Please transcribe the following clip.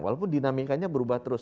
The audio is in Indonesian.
walaupun dinamikanya berubah terus